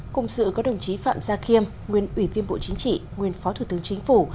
cùng sự có đồng chí phạm gia khiêm nguyên ủy viên bộ chính trị nguyên phó thủ tướng chính phủ